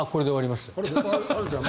まだあるじゃん。